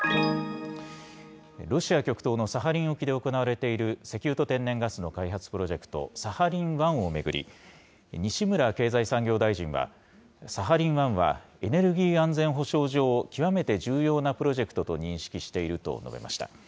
ロシア極東のサハリン沖で行われている石油と天然ガスの開発プロジェクト、サハリン１を巡り、西村経済産業大臣は、サハリン１はエネルギー安全保障上、極めて重要なプロジェクトと認識していると述べました。